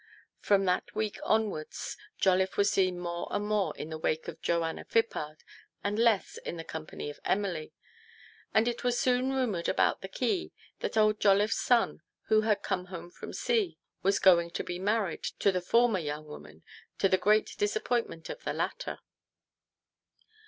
From that week onwards, TO PLEASE HIS WIFE. 107 Jolliffe was seen more and more in the wake of Joanna Phippard and less in the company of Emily ; and it was soon rumoured about the quay that old Jolliffe's son, who had come home from sea, was going to be married to the former young woman, to the great disap pointment of the latter.